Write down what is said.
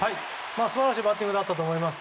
素晴らしいバッティングだったと思います。